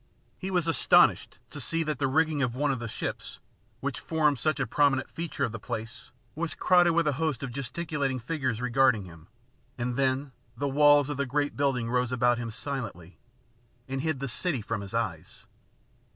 He was astonished to see that the rigging of one of the ships, which formed such a prominent feature of the place, was crowded with a host of gesticulating figures regarding him, and then the walls of the great building rose about him silently, and hid the city from his eyes.